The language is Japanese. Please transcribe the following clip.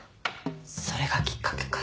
それがきっかけか。